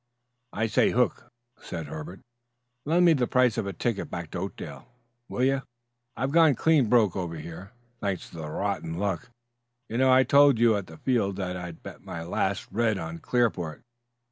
"I say, Hook," said Herbert, "lend me the price of a ticket back to Oakdale, will you. I've gone clean broke over here, thanks to the rotten luck. You know I told you at the field that I'd bet my last red on Clearport.